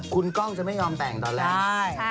คุณกล้องจะไม่ยอมแต่งตอนแรก